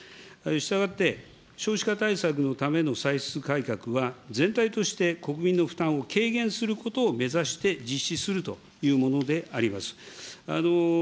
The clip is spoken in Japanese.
したがって、少子化対策のための歳出改革は全体として国民の負担を軽減することを目指して実施するというものであります。